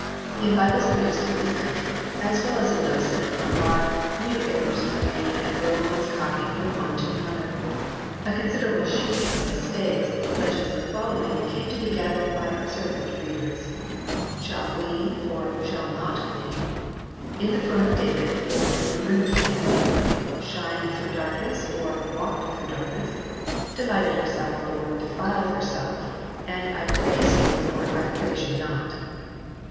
In Bibles also produced in this country as well as in those sent from abroad new errors were made and old ones copied from one to another. A considerable sheaf of mistakes, such as the following, came to be gathered by observant readers: "shall glean" for " shall not glean ";" in the throne of David " for " in the room of David ";" shined through darkness " for " walked through darkness ";" delighted herself" for "defiled herself"; and "I praise you" for "I praise you not."